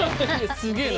すげえな。